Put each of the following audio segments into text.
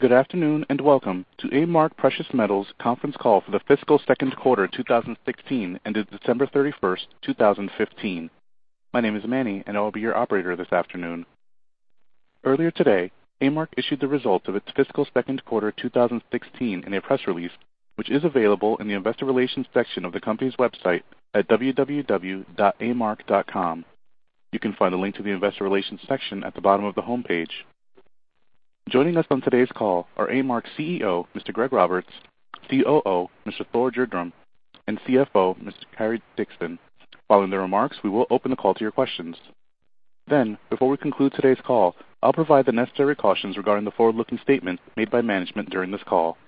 Good afternoon, and welcome to A-Mark Precious Metals conference call for the fiscal second quarter 2016, ended December 31st, 2015. My name is Manny, and I will be your operator this afternoon. Earlier today, A-Mark issued the results of its fiscal second quarter 2016 in a press release, which is available in the investor relations section of the company's website at www.amark.com. You can find the link to the investor relations section at the bottom of the homepage. Joining us on today's call are A-Mark's CEO, Mr. Greg Roberts, COO, Mr. Thor Gjerdrum, and CFO, Mr. Cary Dickson. Following the remarks, we will open the call to your questions. Before we conclude today's call, I'll provide the necessary cautions regarding the forward-looking statements made by management during this call.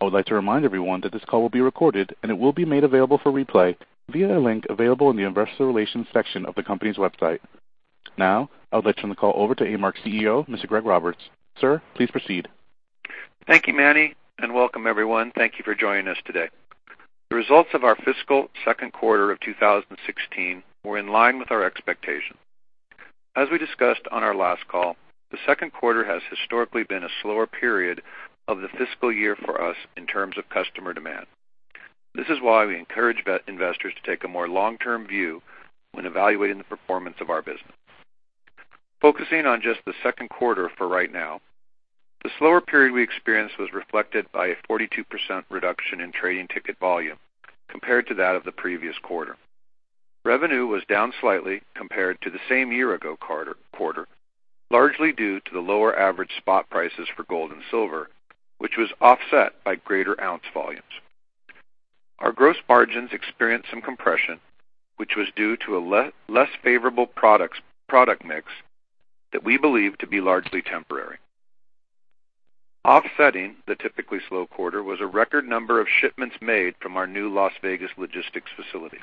I would like to remind everyone that this call will be recorded, and it will be made available for replay via a link available in the investor relations section of the company's website. Now, I would like to turn the call over to A-Mark's CEO, Mr. Greg Roberts. Sir, please proceed. Thank you, Manny, and welcome everyone. Thank you for joining us today. The results of our fiscal second quarter of 2016 were in line with our expectations. As we discussed on our last call, the second quarter has historically been a slower period of the fiscal year for us in terms of customer demand. This is why we encourage investors to take a more long-term view when evaluating the performance of our business. Focusing on just the second quarter for right now, the slower period we experienced was reflected by a 42% reduction in trading ticket volume compared to that of the previous quarter. Revenue was down slightly compared to the same year-ago quarter, largely due to the lower average spot prices for gold and silver, which was offset by greater ounce volumes. Our gross margins experienced some compression, which was due to a less favorable product mix that we believe to be largely temporary. Offsetting the typically slow quarter was a record number of shipments made from our new Las Vegas logistics facility.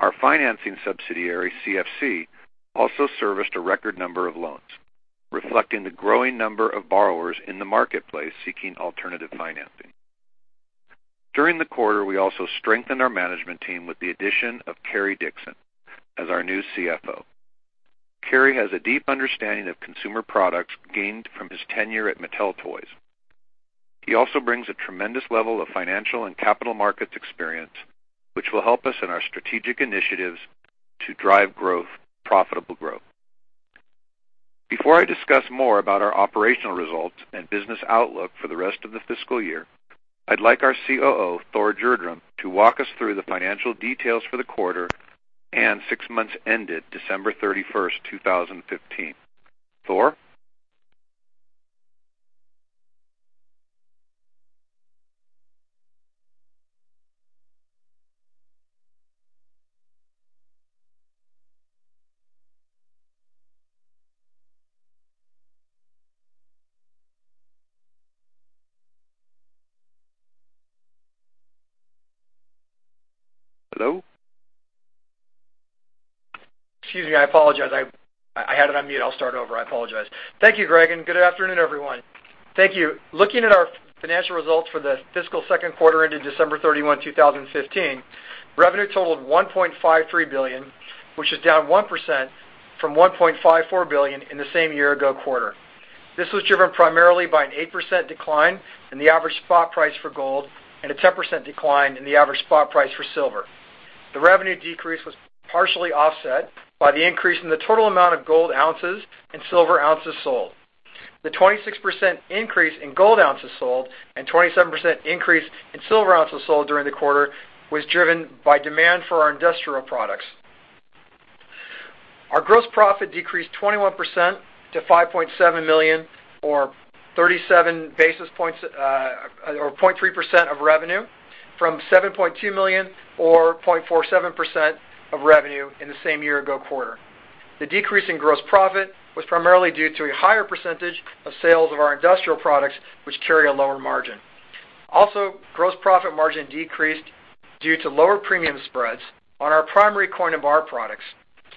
Our financing subsidiary, CFC, also serviced a record number of loans, reflecting the growing number of borrowers in the marketplace seeking alternative financing. During the quarter, we also strengthened our management team with the addition of Cary Dickson as our new CFO. Cary has a deep understanding of consumer products gained from his tenure at Mattel, Inc. He also brings a tremendous level of financial and capital markets experience, which will help us in our strategic initiatives to drive profitable growth. Before I discuss more about our operational results and business outlook for the rest of the fiscal year, I'd like our COO, Thor Gjerdrum, to walk us through the financial details for the quarter and six months ended December 31, 2015. Thor? Hello? Excuse me. I apologize. I had it on mute. I'll start over. I apologize. Thank you, Greg, and good afternoon, everyone. Thank you. Looking at our financial results for the fiscal second quarter ended December 31, 2015, revenue totaled $1.53 billion, which is down 1% from $1.54 billion in the same year-ago quarter. This was driven primarily by an 8% decline in the average spot price for gold and a 10% decline in the average spot price for silver. The revenue decrease was partially offset by the increase in the total amount of gold ounces and silver ounces sold. The 26% increase in gold ounces sold and 27% increase in silver ounces sold during the quarter was driven by demand for our industrial products. Our gross profit decreased 21% to $5.7 million, or 0.3% of revenue from $7.2 million or 0.47% of revenue in the same year-ago quarter. The decrease in gross profit was primarily due to a higher percentage of sales of our industrial products, which carry a lower margin. Also, gross profit margin decreased due to lower premium spreads on our primary coin and bar products,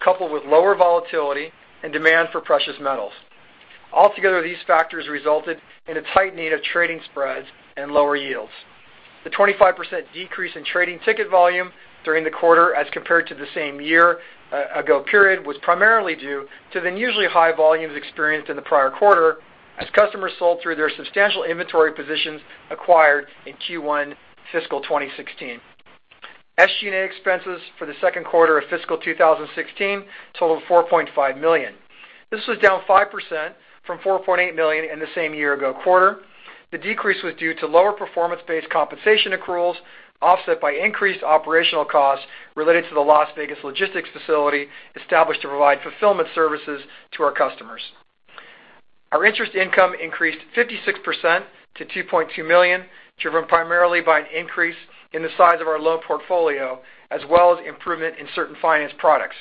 coupled with lower volatility and demand for precious metals. Altogether, these factors resulted in a tightening of trading spreads and lower yields. The 25% decrease in trading ticket volume during the quarter as compared to the same year-ago period, was primarily due to the usually high volumes experienced in the prior quarter as customers sold through their substantial inventory positions acquired in Q1 fiscal 2016. SG&A expenses for the second quarter of fiscal 2016 totaled $4.5 million. This was down 5% from $4.8 million in the same year-ago quarter. The decrease was due to lower performance-based compensation accruals, offset by increased operational costs related to the Las Vegas logistics facility established to provide fulfillment services to our customers. Our interest income increased 56% to $2.2 million, driven primarily by an increase in the size of our loan portfolio, as well as improvement in certain finance products.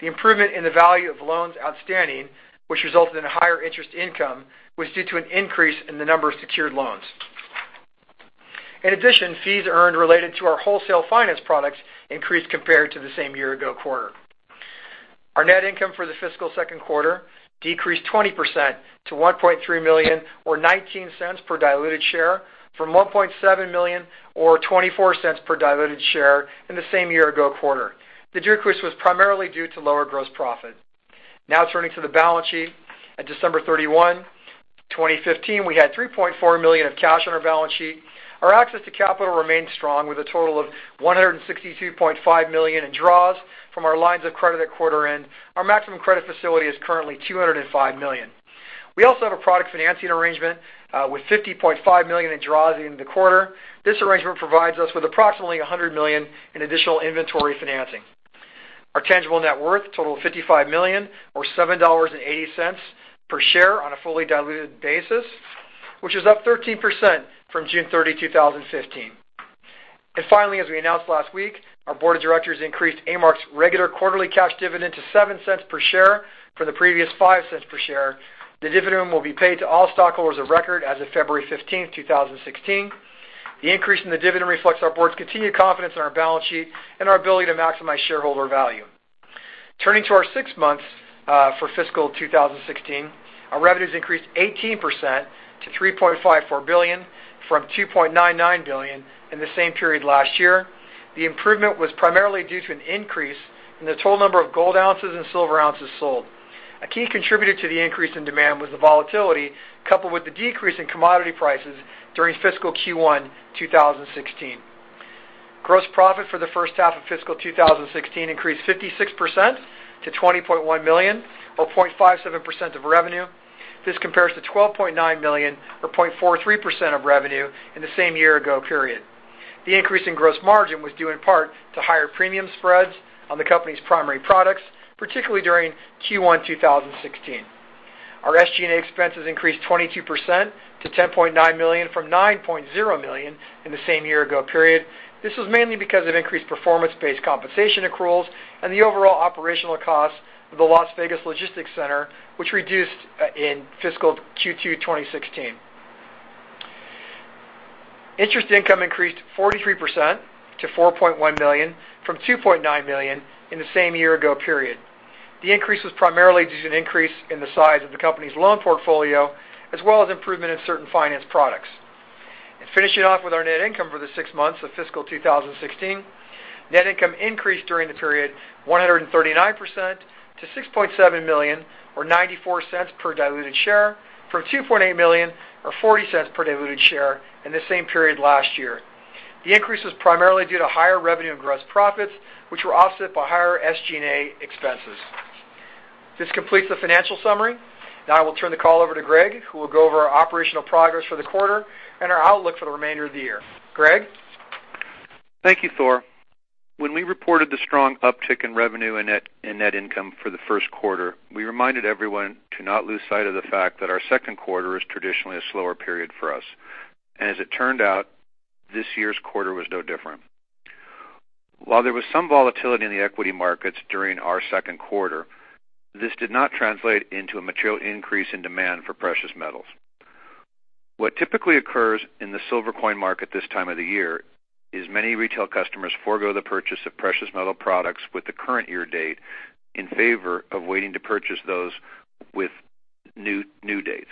The improvement in the value of loans outstanding, which resulted in a higher interest income, was due to an increase in the number of secured loans. In addition, fees earned related to our wholesale finance products increased compared to the same year-ago quarter. Our net income for the fiscal second quarter decreased 20% to $1.3 million or $0.19 per diluted share from $1.7 million or $0.24 per diluted share in the same year-ago quarter. The decrease was primarily due to lower gross profit. Now turning to the balance sheet at December 31, 2015, we had $3.4 million of cash on our balance sheet. Our access to capital remains strong with a total of $162.5 million in draws from our lines of credit at quarter end. Our maximum credit facility is currently $205 million. We also have a product financing arrangement with $50.5 million in draws in the quarter. This arrangement provides us with approximately $100 million in additional inventory financing. Our tangible net worth total of $55 million or $7.80 per share on a fully diluted basis, which is up 13% from June 30, 2015. Finally, as we announced last week, our board of directors increased A-Mark's regular quarterly cash dividend to $0.07 per share from the previous $0.05 per share. The dividend will be paid to all stockholders of record as of February 15, 2016. The increase in the dividend reflects our board's continued confidence in our balance sheet and our ability to maximize shareholder value. Turning to our six months for fiscal 2016, our revenues increased 18% to $3.54 billion from $2.99 billion in the same period last year. The improvement was primarily due to an increase in the total number of gold ounces and silver ounces sold. A key contributor to the increase in demand was the volatility, coupled with the decrease in commodity prices during fiscal Q1 2016. Gross profit for the first half of fiscal 2016 increased 56% to $20.1 million or 0.57% of revenue. This compares to $12.9 million or 0.43% of revenue in the same year ago period. The increase in gross margin was due in part to higher premium spreads on the company's primary products, particularly during Q1 2016. Our SG&A expenses increased 22% to $10.9 million from $9.0 million in the same year ago period. This was mainly because of increased performance-based compensation accruals and the overall operational cost of the Las Vegas logistics center, which reduced in fiscal Q2 2016. Interest income increased 43% to $4.1 million from $2.9 million in the same year ago period. The increase was primarily due to an increase in the size of the company's loan portfolio, as well as improvement in certain finance products. Finishing off with our net income for the six months of fiscal 2016, net income increased during the period 139% to $6.7 million or $0.94 per diluted share from $2.8 million or $0.40 per diluted share in the same period last year. The increase was primarily due to higher revenue and gross profits, which were offset by higher SG&A expenses. This completes the financial summary. Now I will turn the call over to Greg, who will go over our operational progress for the quarter and our outlook for the remainder of the year. Greg? Thank you, Thor. When we reported the strong uptick in revenue and net income for the first quarter, we reminded everyone to not lose sight of the fact that our second quarter is traditionally a slower period for us. As it turned out, this year's quarter was no different. While there was some volatility in the equity markets during our second quarter, this did not translate into a material increase in demand for precious metals. What typically occurs in the silver coin market this time of the year is many retail customers forego the purchase of precious metal products with the current year date in favor of waiting to purchase those with new dates.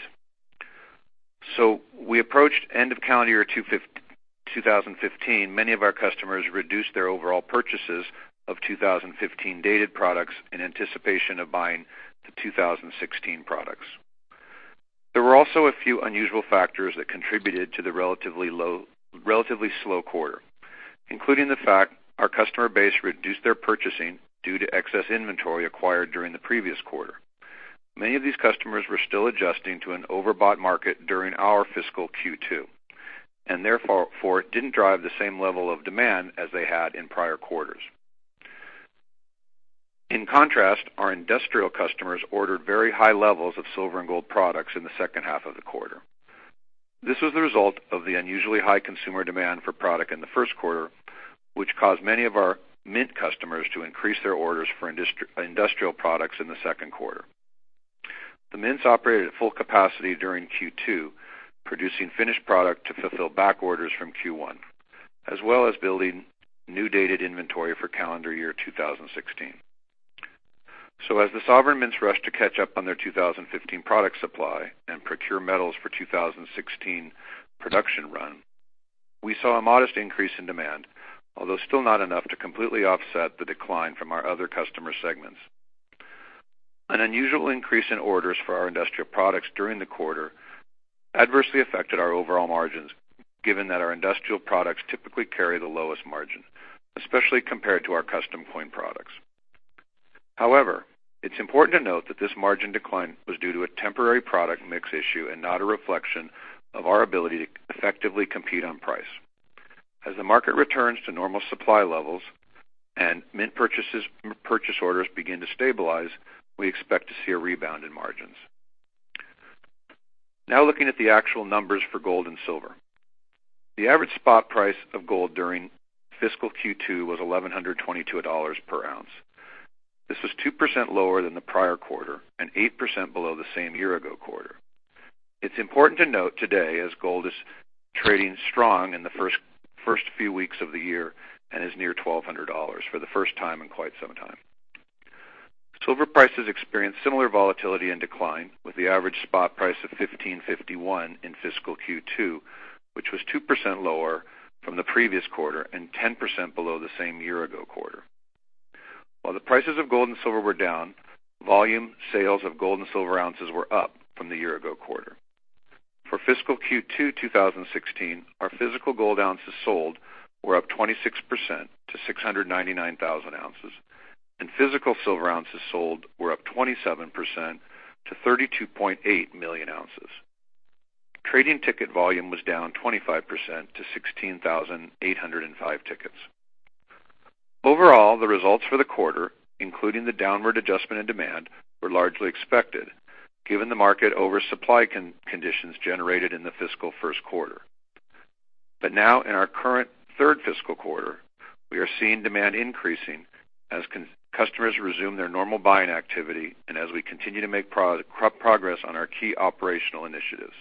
We approached end of calendar year 2015, many of our customers reduced their overall purchases of 2015 dated products in anticipation of buying the 2016 products. There were also a few unusual factors that contributed to the relatively slow quarter, including the fact our customer base reduced their purchasing due to excess inventory acquired during the previous quarter. Many of these customers were still adjusting to an overbought market during our fiscal Q2, and therefore, it didn't drive the same level of demand as they had in prior quarters. In contrast, our industrial customers ordered very high levels of silver and gold products in the second half of the quarter. This was the result of the unusually high consumer demand for product in the first quarter, which caused many of our mint customers to increase their orders for industrial products in the second quarter. The mints operated at full capacity during Q2, producing finished product to fulfill back orders from Q1, as well as building new dated inventory for calendar year 2016. As the sovereign mints rushed to catch up on their 2015 product supply and procure metals for 2016 production run, we saw a modest increase in demand, although still not enough to completely offset the decline from our other customer segments. An unusual increase in orders for our industrial products during the quarter adversely affected our overall margins, given that our industrial products typically carry the lowest margin, especially compared to our custom coin products. However, it's important to note that this margin decline was due to a temporary product mix issue and not a reflection of our ability to effectively compete on price. As the market returns to normal supply levels and mint purchase orders begin to stabilize, we expect to see a rebound in margins. Looking at the actual numbers for gold and silver. The average spot price of gold during fiscal Q2 was $1,122 per ounce. This was 2% lower than the prior quarter and 8% below the same year-ago quarter. It's important to note today as gold is trading strong in the first few weeks of the year and is near $1,200 for the first time in quite some time. Silver prices experienced similar volatility and decline with the average spot price of $15.51 in fiscal Q2, which was 2% lower from the previous quarter and 10% below the same year-ago quarter. While the prices of gold and silver were down, volume sales of gold and silver ounces were up from the year-ago quarter. For fiscal Q2 2016, our physical gold ounces sold were up 26% to 699,000 ounces, and physical silver ounces sold were up 27% to 32.8 million ounces. Trading ticket volume was down 25% to 16,805 tickets. Overall, the results for the quarter, including the downward adjustment in demand, were largely expected given the market oversupply conditions generated in the fiscal 1st quarter. Now in our current 3rd fiscal quarter, we are seeing demand increasing as customers resume their normal buying activity and as we continue to make progress on our key operational initiatives.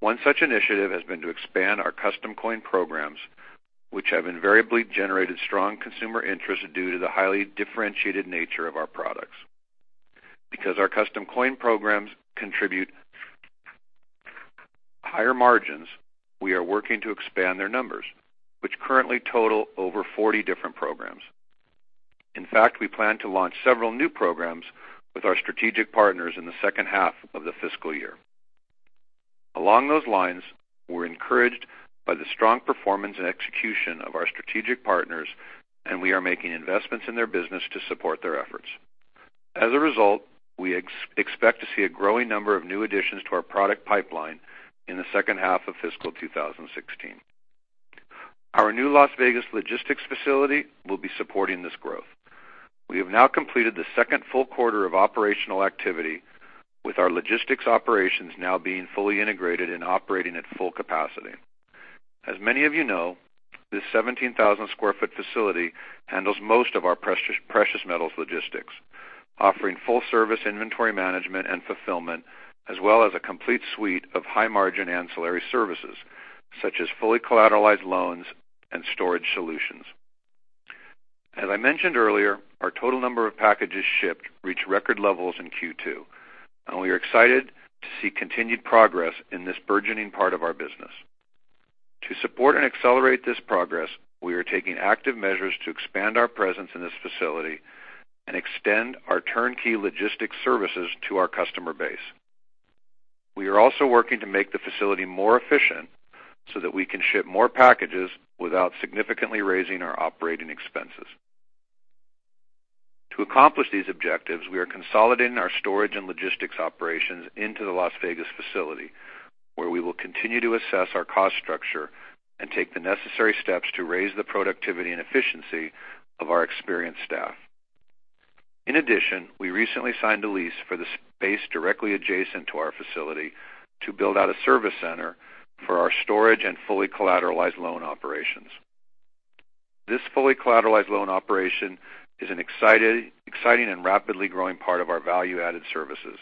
One such initiative has been to expand our custom coin programs, which have invariably generated strong consumer interest due to the highly differentiated nature of our products. Because our custom coin programs contribute higher margins, we are working to expand their numbers, which currently total over 40 different programs. In fact, we plan to launch several new programs with our strategic partners in the 2nd half of the fiscal year. Along those lines, we're encouraged by the strong performance and execution of our strategic partners. We are making investments in their business to support their efforts. As a result, we expect to see a growing number of new additions to our product pipeline in the 2nd half of fiscal 2016. Our new Las Vegas logistics facility will be supporting this growth. We have now completed the 2nd full quarter of operational activity, with our logistics operations now being fully integrated and operating at full capacity. As many of you know, this 17,000 sq ft facility handles most of our precious metals logistics, offering full-service inventory management and fulfillment, as well as a complete suite of high-margin ancillary services, such as fully collateralized loans and storage solutions. As I mentioned earlier, our total number of packages shipped reached record levels in Q2. We are excited to see continued progress in this burgeoning part of our business. To support and accelerate this progress, we are taking active measures to expand our presence in this facility and extend our turnkey logistics services to our customer base. We are also working to make the facility more efficient so that we can ship more packages without significantly raising our operating expenses. To accomplish these objectives, we are consolidating our storage and logistics operations into the Las Vegas facility, where we will continue to assess our cost structure and take the necessary steps to raise the productivity and efficiency of our experienced staff. In addition, we recently signed a lease for the space directly adjacent to our facility to build out a service center for our storage and fully collateralized loan operations. This fully collateralized loan operation is an exciting and rapidly growing part of our value-added services.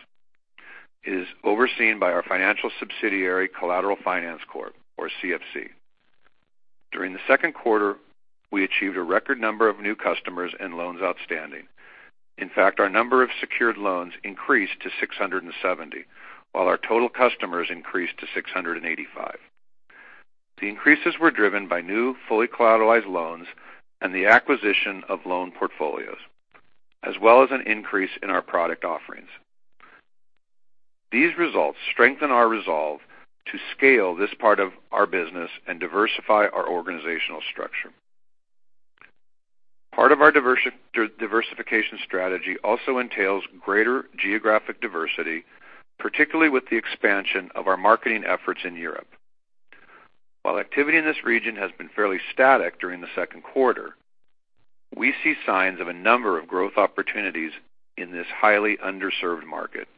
It is overseen by our financial subsidiary, Collateral Finance Corp, or CFC. During the 2nd quarter, we achieved a record number of new customers and loans outstanding. In fact, our number of secured loans increased to 670, while our total customers increased to 685. The increases were driven by new fully collateralized loans and the acquisition of loan portfolios, as well as an increase in our product offerings. These results strengthen our resolve to scale this part of our business and diversify our organizational structure. Part of our diversification strategy also entails greater geographic diversity, particularly with the expansion of our marketing efforts in Europe. While activity in this region has been fairly static during the second quarter, we see signs of a number of growth opportunities in this highly underserved market,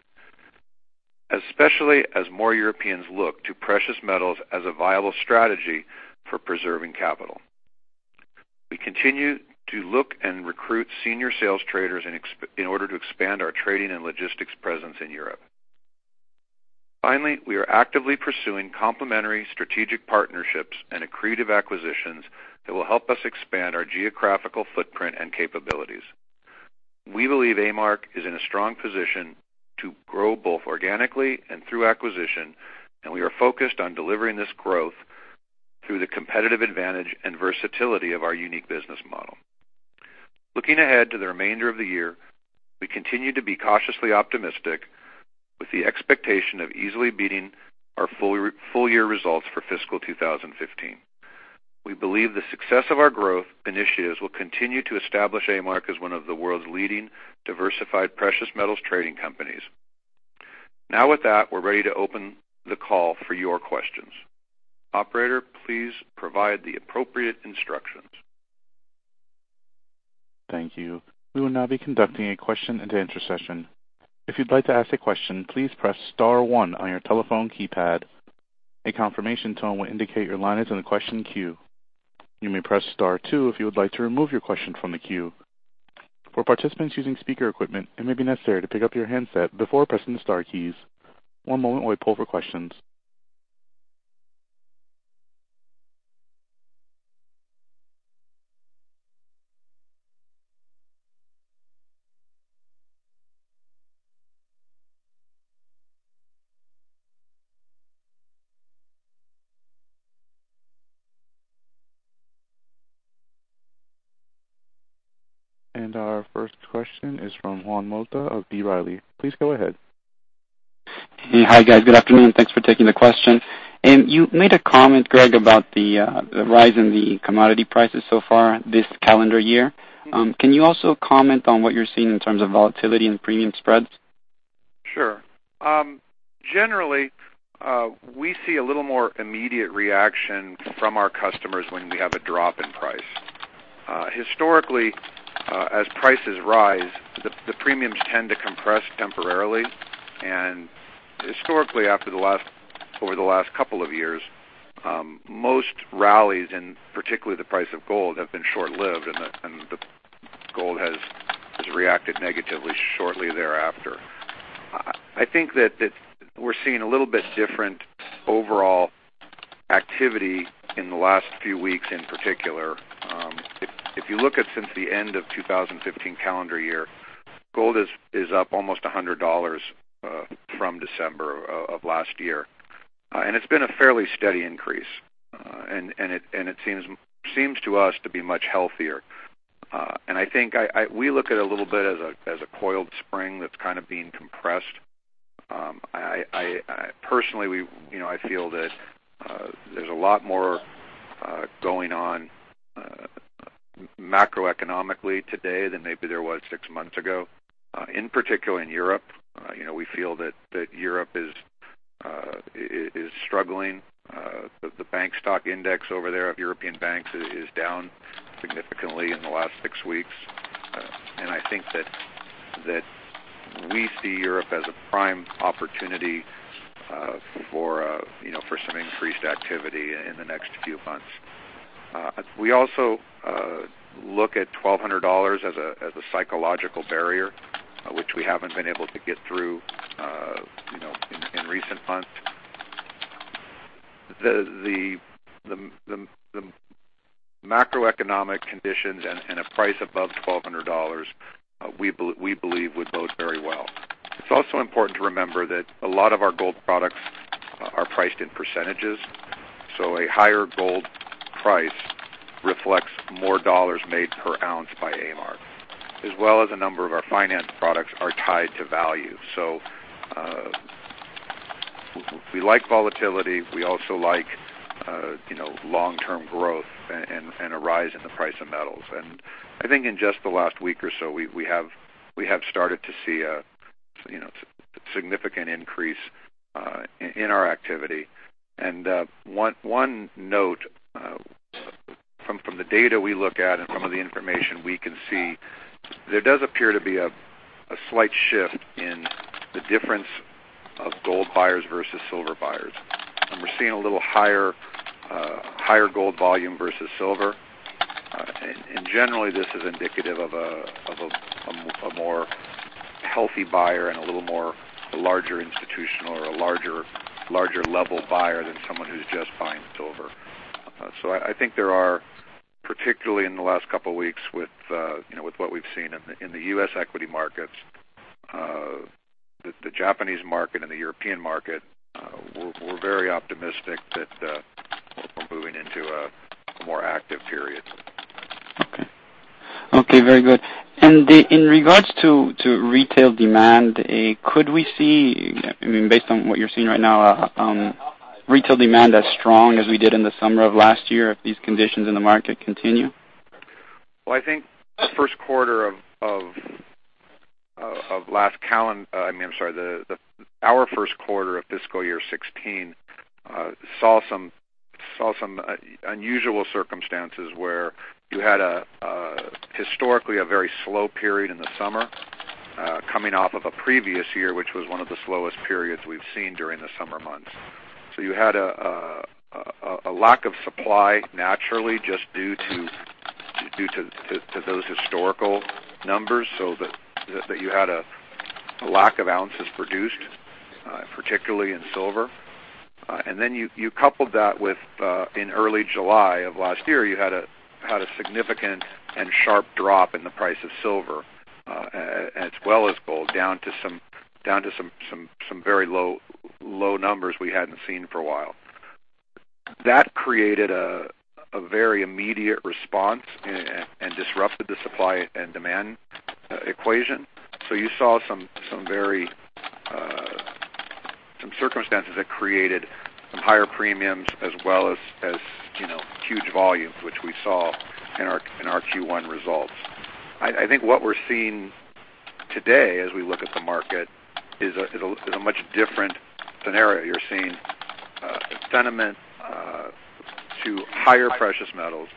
especially as more Europeans look to precious metals as a viable strategy for preserving capital. We continue to look and recruit senior sales traders in order to expand our trading and logistics presence in Europe. Finally, we are actively pursuing complementary strategic partnerships and accretive acquisitions that will help us expand our geographical footprint and capabilities. We believe A-Mark is in a strong position to grow both organically and through acquisition, and we are focused on delivering this growth through the competitive advantage and versatility of our unique business model. Looking ahead to the remainder of the year, we continue to be cautiously optimistic with the expectation of easily beating our full year results for fiscal 2015. We believe the success of our growth initiatives will continue to establish A-Mark as one of the world's leading diversified precious metals trading companies. With that, we're ready to open the call for your questions. Operator, please provide the appropriate instructions. Thank you. We will now be conducting a question and answer session. If you'd like to ask a question, please press star one on your telephone keypad. A confirmation tone will indicate your line is in the question queue. You may press star two if you would like to remove your question from the queue. For participants using speaker equipment, it may be necessary to pick up your handset before pressing the star keys. One moment while we pull for questions. Our first question is from Juan Motta of B. Riley. Please go ahead. Hey. Hi, guys. Good afternoon. Thanks for taking the question. You made a comment, Greg, about the rise in the commodity prices so far this calendar year. Can you also comment on what you're seeing in terms of volatility and premium spreads? Sure. Generally, we see a little more immediate reaction from our customers when we have a drop in price. Historically, as prices rise, the premiums tend to compress temporarily. Historically, over the last couple of years, most rallies, and particularly the price of gold, have been short-lived, and the gold has reacted negatively shortly thereafter. I think that we're seeing a little bit different overall activity in the last few weeks in particular. If you look at since the end of 2015 calendar year, gold is up almost $100 from December of last year. It's been a fairly steady increase, and it seems to us to be much healthier. I think we look at it a little bit as a coiled spring that's kind of being compressed. Personally, I feel that there's a lot more going on macroeconomically today than maybe there was six months ago, in particular in Europe. We feel that Europe is struggling. The bank stock index over there of European banks is down significantly in the last six weeks. I think that we see Europe as a prime opportunity for some increased activity in the next few months. We also look at $1,200 as a psychological barrier, which we haven't been able to get through in recent months. The macroeconomic conditions and a price above $1,200, we believe, would bode very well. It's also important to remember that a lot of our gold products are priced in %, so a higher gold price reflects more dollars made per ounce by A-Mark, as well as a number of our finance products are tied to value. We like volatility. We also like long-term growth and a rise in the price of metals. I think in just the last week or so, we have started to see a significant increase in our activity. One note, from the data we look at and from the information we can see, there does appear to be a slight shift in the difference of gold buyers versus silver buyers, and we're seeing a little higher gold volume versus silver. Generally, this is indicative of a more healthy buyer and a little more larger institutional or a larger level buyer than someone who's just buying silver. I think there are, particularly in the last couple of weeks with what we've seen in the U.S. equity markets, the Japanese market, and the European market, we're very optimistic that we're moving into a more active period. Okay. Very good. In regards to retail demand, could we see, based on what you're seeing right now, retail demand as strong as we did in the summer of last year if these conditions in the market continue? Well, I think our first quarter of fiscal year 2016 saw some unusual circumstances where you had historically a very slow period in the summer, coming off of a previous year, which was one of the slowest periods we've seen during the summer months. You had a lack of supply naturally just due to those historical numbers, that you had a lack of ounces produced, particularly in silver. Then you coupled that with, in early July of last year, you had a significant and sharp drop in the price of silver as well as gold, down to some very low numbers we hadn't seen for a while. That created a very immediate response and disrupted the supply and demand equation. You saw some circumstances that created some higher premiums as well as huge volumes, which we saw in our Q1 results. I think what we're seeing today as we look at the market is a much different scenario. You're seeing a sentiment to higher precious metals.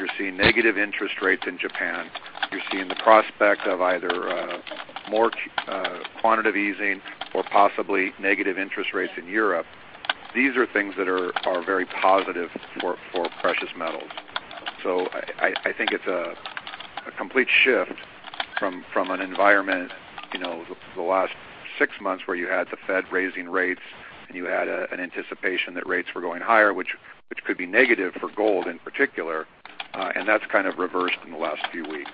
You're seeing negative interest rates in Japan. You're seeing the prospect of either more quantitative easing or possibly negative interest rates in Europe. These are things that are very positive for precious metals. I think it's a complete shift from an environment the last six months, where you had the Fed raising rates, and you had an anticipation that rates were going higher, which could be negative for gold in particular. That's kind of reversed in the last few weeks.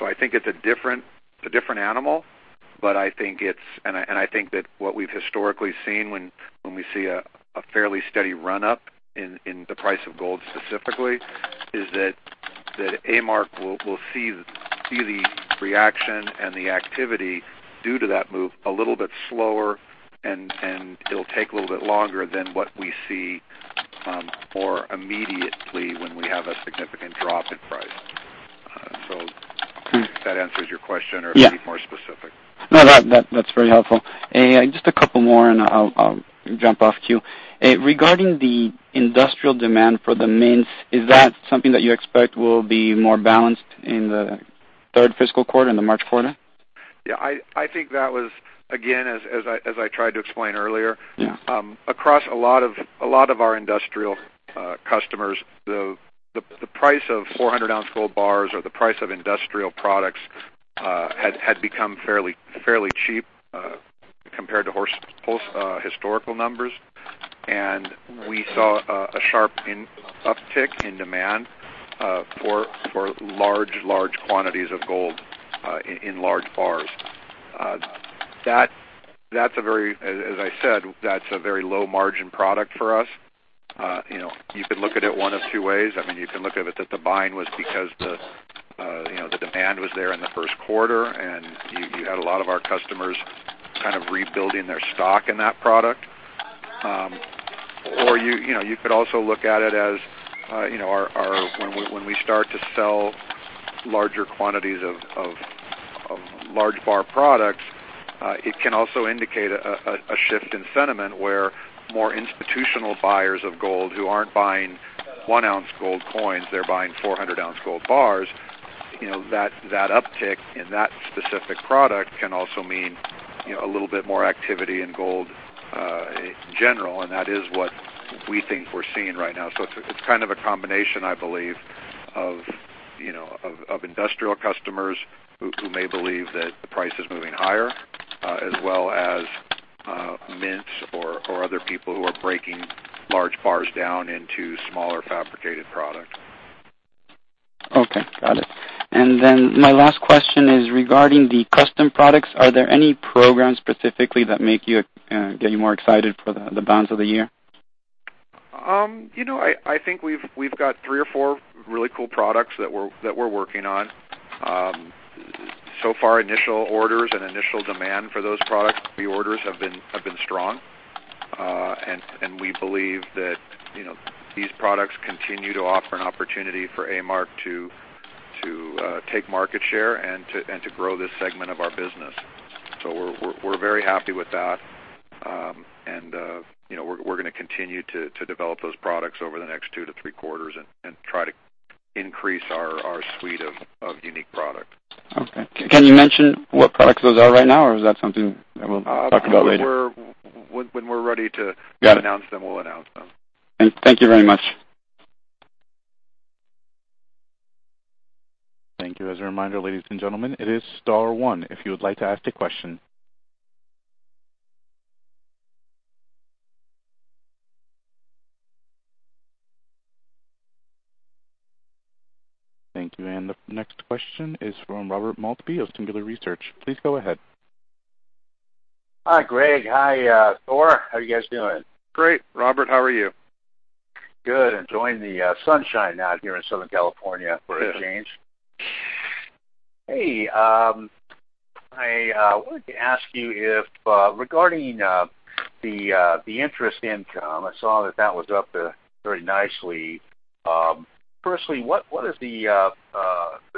I think it's a different animal, but I think that what we've historically seen when we see a fairly steady run-up in the price of gold specifically, is that A-Mark will see the reaction and the activity due to that move a little bit slower and it'll take a little bit longer than what we see more immediately when we have a significant drop in price. If that answers your question. Yeah or be more specific. No, that's very helpful. Just a couple more and I'll jump off queue. Regarding the industrial demand for the mints, is that something that you expect will be more balanced in the third fiscal quarter, in the March quarter? Yeah, I think that was, again, as I tried to explain earlier. Yeah across a lot of our industrial customers, the price of 400-ounce gold bars or the price of industrial products had become fairly cheap compared to historical numbers. We saw a sharp uptick in demand for large quantities of gold in large bars. As I said, that's a very low margin product for us. You could look at it one of two ways. You can look at it that the buying was because the demand was there in the first quarter and you had a lot of our customers kind of rebuilding their stock in that product. Or you could also look at it as when we start to sell larger quantities of large bar products, it can also indicate a shift in sentiment where more institutional buyers of gold who aren't buying one-ounce gold coins, they're buying 400-ounce gold bars. That uptick in that specific product can also mean a little bit more activity in gold, in general. That is what we think we're seeing right now. It's kind of a combination, I believe, of industrial customers who may believe that the price is moving higher, as well as mints or other people who are breaking large bars down into smaller fabricated product. Okay. Got it. My last question is regarding the custom products. Are there any programs specifically that get you more excited for the bounds of the year? I think we've got three or four really cool products that we're working on. Far initial orders and initial demand for those products, the pre-orders have been strong. We believe that these products continue to offer an opportunity for A-Mark to take market share and to grow this segment of our business. We're very happy with that. We're going to continue to develop those products over the next two to three quarters and try to increase our suite of unique products. Okay. Can you mention what products those are right now, or is that something that we'll talk about later? When we're ready. Got it. We'll announce them. Thank you very much. Thank you. As a reminder, ladies and gentlemen, it is star one if you would like to ask a question. Thank you. The next question is from Robert Maltby of Tumbler Research. Please go ahead. Hi, Greg. Hi, Thor. How you guys doing? Great, Robert. How are you? Good. Enjoying the sunshine out here in Southern California for a change. Good. Hey, I wanted to ask you if, regarding the interest income, I saw that that was up very nicely. Firstly, what is the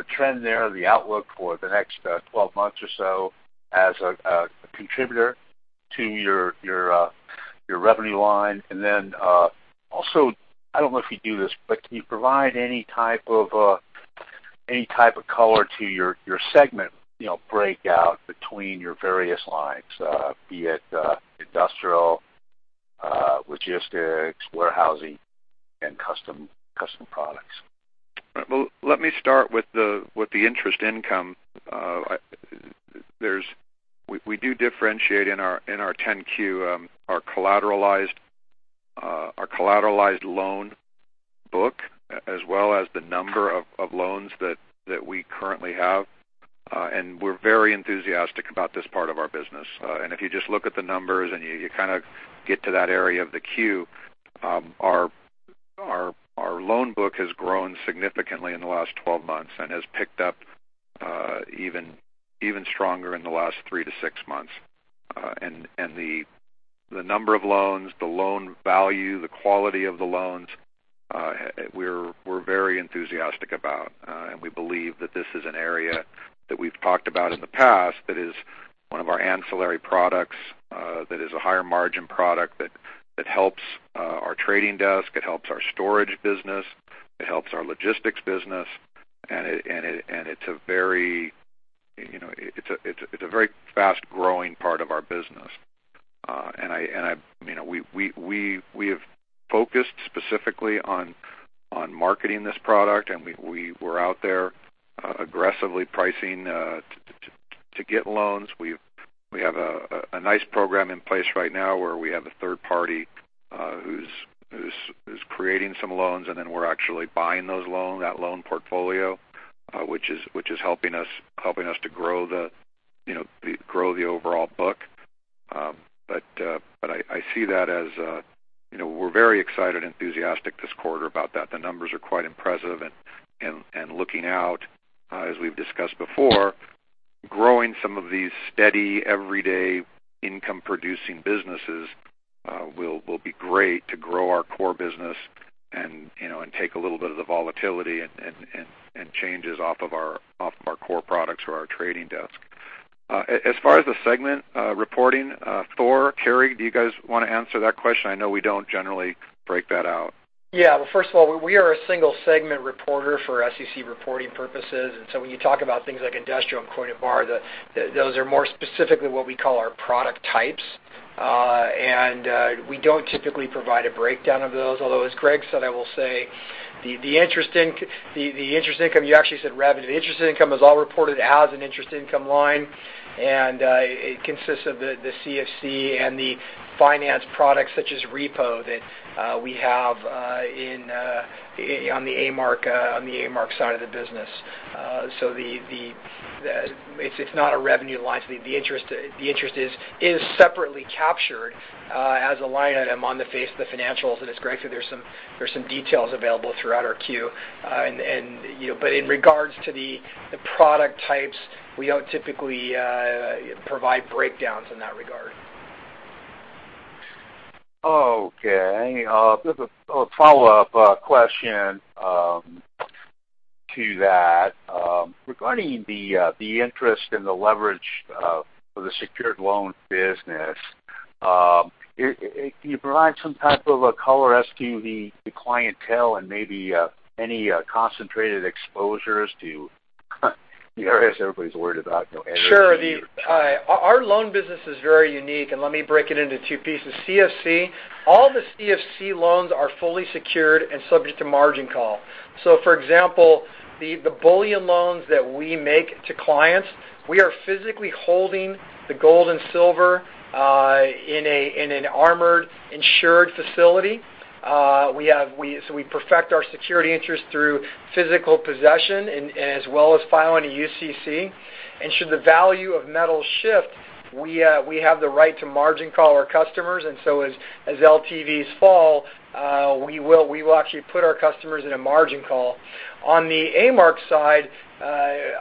trend there, the outlook for the next 12 months or so as a contributor to your revenue line? Also, I don't know if you'd do this, but can you provide any type of color to your segment breakout between your various lines, be it industrial, logistics, warehousing, and custom products? Well, let me start with the interest income. We do differentiate in our 10-Q our collateralized loan book as well as the number of loans that we currently have. We're very enthusiastic about this part of our business. If you just look at the numbers and you kind of get to that area of the Q, our loan book has grown significantly in the last 12 months and has picked up even stronger in the last three to six months. The number of loans, the loan value, the quality of the loans, we're very enthusiastic about, and we believe that this is an area that we've talked about in the past that is one of our ancillary products, that is a higher margin product that helps our trading desk, it helps our storage business, it helps our logistics business, and it's a very fast-growing part of our business. We have focused specifically on marketing this product, and we're out there aggressively pricing to get loans. We have a nice program in place right now where we have a third party who's creating some loans, and then we're actually buying that loan portfolio which is helping us to grow the overall book. I see that as we're very excited and enthusiastic this quarter about that. The numbers are quite impressive. Looking out, as we've discussed before, growing some of these steady, everyday income-producing businesses will be great to grow our core business and take a little bit of the volatility and changes off of our core products or our trading desk. As far as the segment reporting, Thor, Cary, do you guys want to answer that question? I know we don't generally break that out. Well, first of all, we are a single segment reporter for SEC reporting purposes. When you talk about things like industrial and coin and bar, those are more specifically what we call our product types. We don't typically provide a breakdown of those. Although, as Greg said, I will say the interest income, you actually said revenue. The interest income is all reported as an interest income line, and it consists of the CFC and the finance products such as repo that we have on the A-Mark side of the business. It's not a revenue line fee. The interest is separately captured as a line item on the face of the financials, and as Greg said, there's some details available throughout our 10-Q. In regards to the product types, we don't typically provide breakdowns in that regard. Okay. A follow-up question to that. Regarding the interest and the leverage for the secured loan business, can you provide some type of a color as to the clientele and maybe any concentrated exposures to I guess everybody's worried about LNG? Sure. Our loan business is very unique. Let me break it into two pieces. CFC, all the CFC loans are fully secured and subject to margin call. For example, the bullion loans that we make to clients, we are physically holding the gold and silver in an armored, insured facility. We perfect our security interest through physical possession and as well as filing a UCC. Should the value of metal shift, we have the right to margin call our customers. As LTVs fall, we will actually put our customers in a margin call. On the A-Mark side,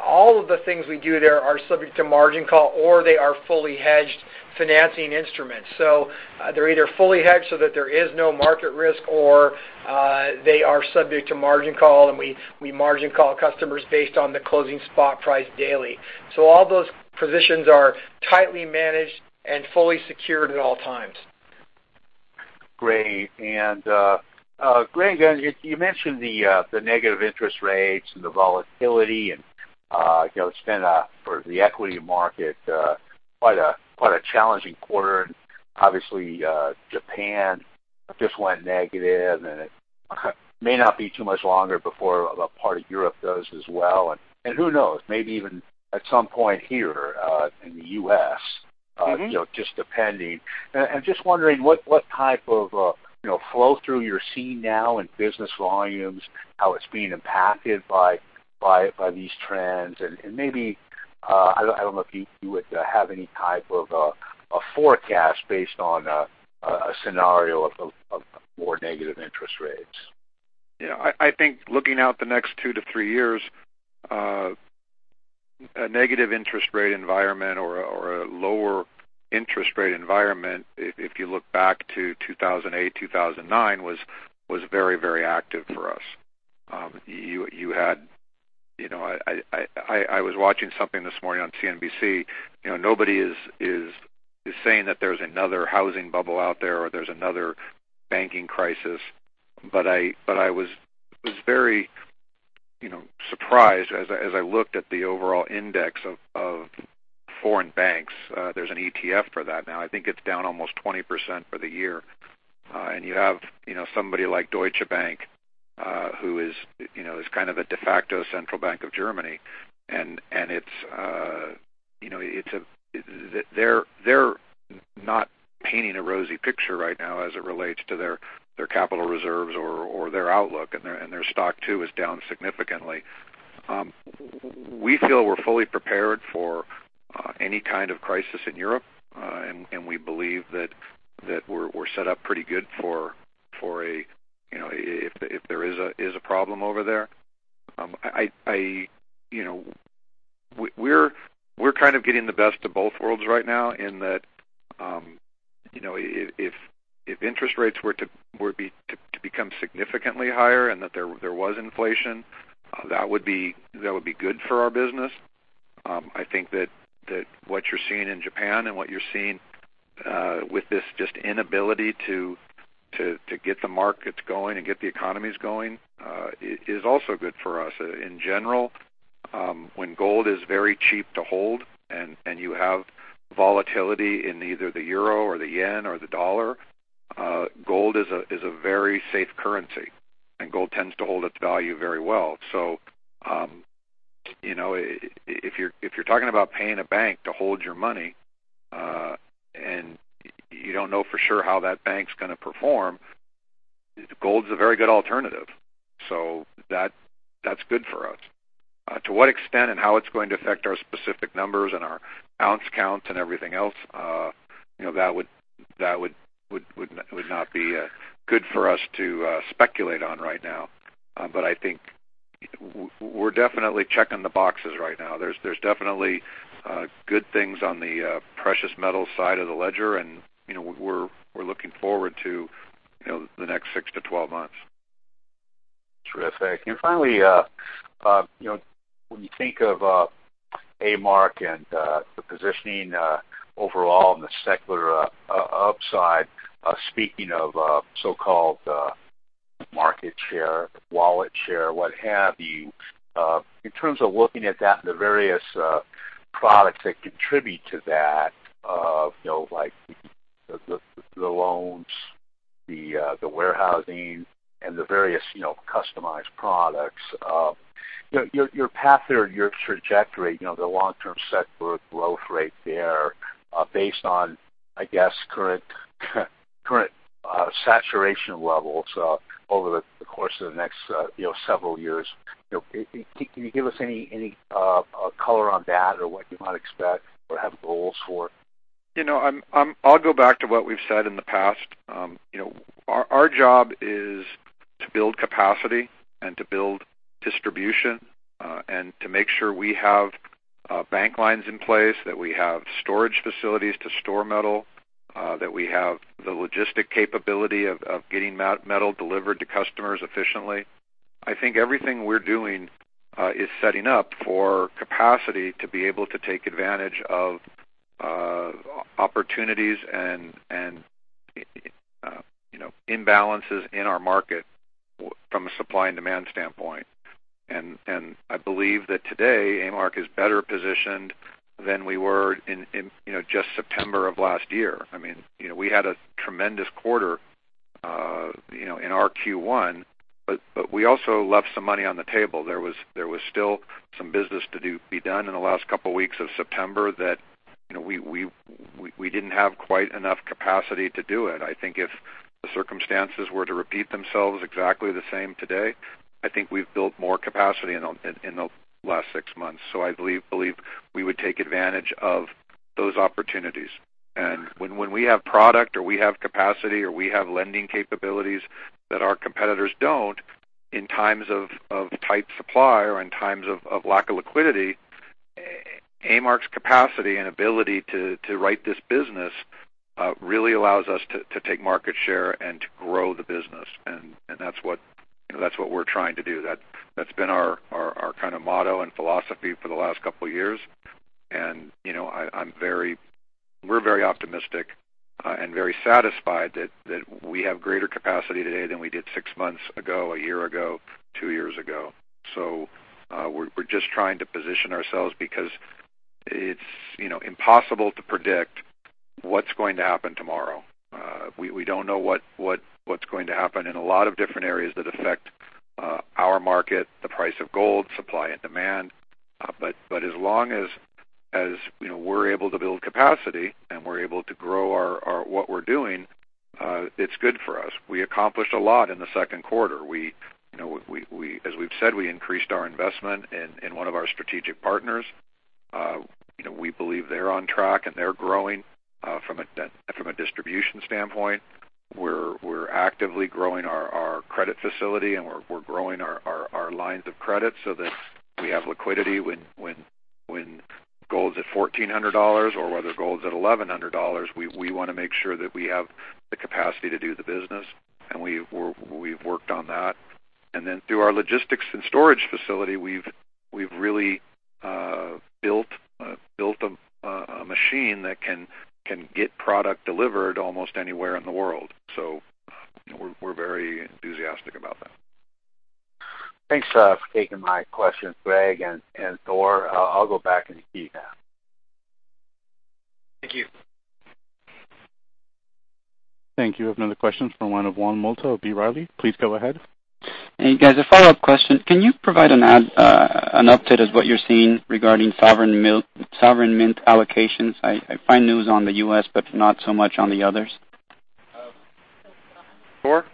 all of the things we do there are subject to margin call, or they are fully hedged financing instruments. They're either fully hedged so that there is no market risk, or they are subject to margin call. We margin call customers based on the closing spot price daily. All those positions are tightly managed and fully secured at all times. Greg, you mentioned the negative interest rates and the volatility. It's been, for the equity market, quite a challenging quarter. Obviously, Japan just went negative. It may not be too much longer before a part of Europe does as well. Who knows, maybe even at some point here in the U.S. just depending. Just wondering what type of flow through you're seeing now in business volumes, how it's being impacted by these trends, and maybe, I don't know if you would have any type of a forecast based on a scenario of more negative interest rates. I think looking out the next two to three years, a negative interest rate environment or a lower interest rate environment, if you look back to 2008, 2009, was very active for us. I was watching something this morning on CNBC. Nobody is saying that there's another housing bubble out there or there's another banking crisis, but I was very surprised as I looked at the overall index of foreign banks. There's an ETF for that now. I think it's down almost 20% for the year. You have somebody like Deutsche Bank who is kind of a de facto central bank of Germany. They're not painting a rosy picture right now as it relates to their capital reserves or their outlook. Their stock too is down significantly. We feel we're fully prepared for any kind of crisis in Europe. We believe that we're set up pretty good for if there is a problem over there. We're kind of getting the best of both worlds right now in that if interest rates were to become significantly higher and that there was inflation, that would be good for our business. I think that what you're seeing in Japan and what you're seeing with this just inability to get the markets going and get the economies going is also good for us. In general, when gold is very cheap to hold and you have volatility in either the euro or the yen or the dollar, gold is a very safe currency. Gold tends to hold its value very well. If you're talking about paying a bank to hold your money, you don't know for sure how that bank's going to perform, gold's a very good alternative. That's good for us. To what extent and how it's going to affect our specific numbers and our ounce counts and everything else, that would not be good for us to speculate on right now. I think we're definitely checking the boxes right now. There's definitely good things on the precious metals side of the ledger, we're looking forward to the next 6-12 months. Terrific. Finally, when you think of A-Mark and the positioning overall in the secular upside, speaking of so-called market share, wallet share, what have you, in terms of looking at that and the various products that contribute to that like the loans, the warehousing, and the various customized products, your path or your trajectory, the long-term set growth rate there based on, I guess, current saturation levels over the course of the next several years, can you give us any color on that or what you might expect or have goals for? I'll go back to what we've said in the past. Our job is to build capacity, to build distribution, to make sure we have bank lines in place, that we have storage facilities to store metal, that we have the logistic capability of getting metal delivered to customers efficiently. I think everything we're doing is setting up for capacity to be able to take advantage of opportunities and imbalances in our market from a supply and demand standpoint. I believe that today A-Mark is better positioned than we were in just September of last year. We had a tremendous quarter in our Q1, we also left some money on the table. There was still some business to be done in the last couple of weeks of September that we didn't have quite enough capacity to do it. I think if the circumstances were to repeat themselves exactly the same today, I think we've built more capacity in the last six months. I believe we would take advantage of those opportunities. When we have product or we have capacity or we have lending capabilities that our competitors don't, in times of tight supply or in times of lack of liquidity, A-Mark's capacity and ability to right this business really allows us to take market share, to grow the business. That's what we're trying to do. That's been our motto and philosophy for the last couple of years. We're very optimistic and very satisfied that we have greater capacity today than we did six months ago, a year ago, two years ago. We're just trying to position ourselves because it's impossible to predict what's going to happen tomorrow. We don't know what's going to happen in a lot of different areas that affect our market, the price of gold, supply and demand. As long as we're able to build capacity and we're able to grow what we're doing, it's good for us. We accomplished a lot in the second quarter. As we've said, we increased our investment in one of our strategic partners. We believe they're on track and they're growing from a distribution standpoint. We're actively growing our credit facility, and we're growing our lines of credit so that we have liquidity when gold's at $1,400 or whether gold's at $1,100. We want to make sure that we have the capacity to do the business, and we've worked on that. Then through our logistics and storage facility, we've really built a machine that can get product delivered almost anywhere in the world. We're very enthusiastic about that. Thanks for taking my questions, Greg and Thor. I'll go back and queue now. Thank you. Thank you. We have another question from one of Juan Motta of B. Riley. Please go ahead. Hey, guys, a follow-up question. Can you provide an update of what you're seeing regarding sovereign mint allocations? I find news on the U.S., but not so much on the others. Thor?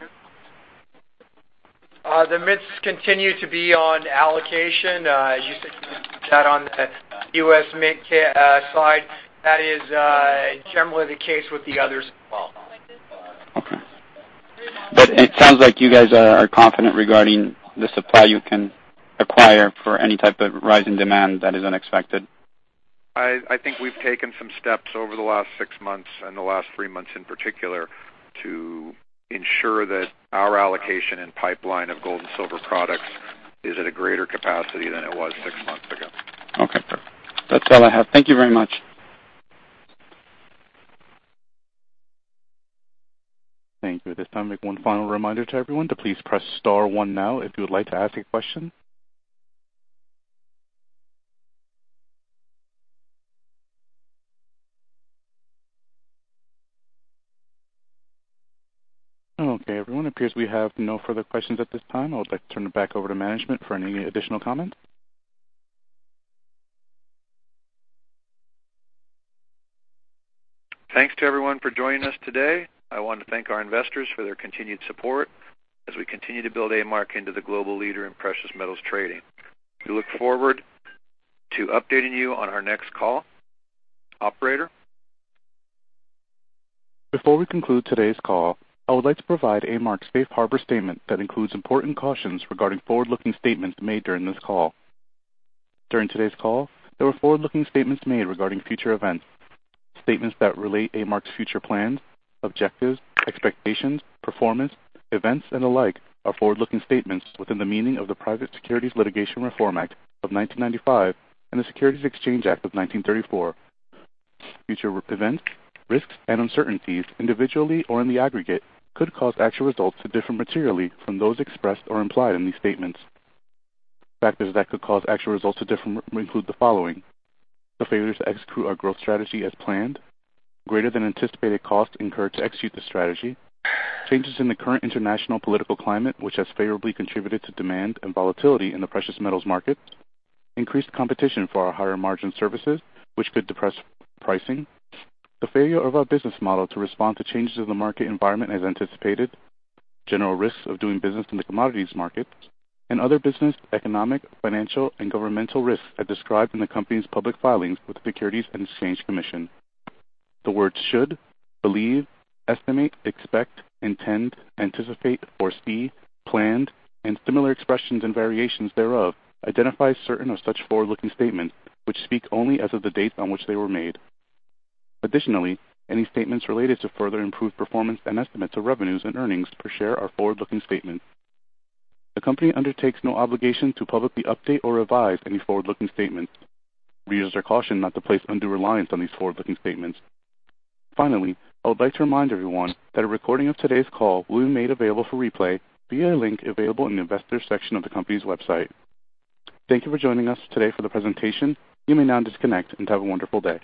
The mints continue to be on allocation. You said that on the U.S. Mint side. That is generally the case with the others as well. It sounds like you guys are confident regarding the supply you can acquire for any type of rise in demand that is unexpected. I think we've taken some steps over the last six months and the last three months in particular to ensure that our allocation and pipeline of gold and silver products is at a greater capacity than it was six months ago. Okay. That's all I have. Thank you very much. Thank you. At this time, make one final reminder to everyone to please press star one now if you would like to ask a question. Okay, everyone, appears we have no further questions at this time. I would like to turn it back over to management for any additional comments. Thanks to everyone for joining us today. I want to thank our investors for their continued support as we continue to build A-Mark into the global leader in precious metals trading. We look forward to updating you on our next call. Operator? Before we conclude today's call, I would like to provide A-Mark's safe harbor statement that includes important cautions regarding forward-looking statements made during this call. During today's call, there were forward-looking statements made regarding future events. Statements that relate A-Mark's future plans, objectives, expectations, performance, events, and the like are forward-looking statements within the meaning of the Private Securities Litigation Reform Act of 1995 and the Securities Exchange Act of 1934. Future events, risks, and uncertainties, individually or in the aggregate, could cause actual results to differ materially from those expressed or implied in these statements. Factors that could cause actual results to differ include the following: the failure to execute our growth strategy as planned, greater than anticipated costs incurred to execute the strategy, changes in the current international political climate, which has favorably contributed to demand and volatility in the precious metals market, increased competition for our higher margin services, which could depress pricing, the failure of our business model to respond to changes in the market environment as anticipated, general risks of doing business in the commodities market, and other business, economic, financial, and governmental risks as described in the company's public filings with the Securities and Exchange Commission. The words should, believe, estimate, expect, intend, anticipate, foresee, planned, and similar expressions and variations thereof identify certain of such forward-looking statements, which speak only as of the date on which they were made. Additionally, any statements related to further improved performance and estimates of revenues and earnings per share are forward-looking statements. The company undertakes no obligation to publicly update or revise any forward-looking statements. Readers are cautioned not to place undue reliance on these forward-looking statements. Finally, I would like to remind everyone that a recording of today's call will be made available for replay via a link available in the Investors section of the company's website. Thank you for joining us today for the presentation. You may now disconnect, and have a wonderful day.